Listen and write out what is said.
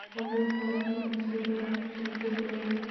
هغوی خوراک او مشروبات چمتو کړل.